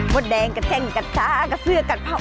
มดแดงกับแจ้งกับซากับเสือกับเผา